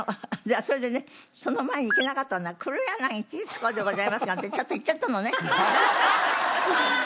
それでねその前にいけなかったのが「黒柳徹子でございます」なんてちょっと言っちゃったのね。